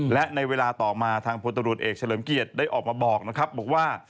และในเวลาต่อมาทางพลตรวจเอกเฉลิมเกียรติได้ออกมาบอกนะครับบอกว่า